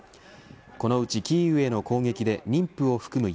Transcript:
このうちキーウへの攻撃で妊婦を含む